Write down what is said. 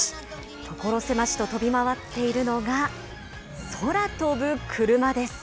所狭しと飛び回っているのが、空飛ぶクルマです。